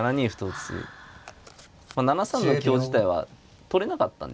７三の香自体は取れなかったんですよね。